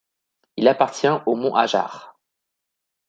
Il appartient aux monts Hajar.